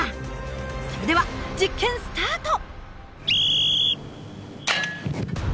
それでは実験スタート！